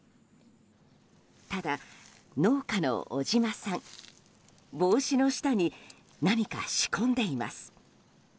ただ、農家の尾島さん帽子の下に何か仕込んでいます。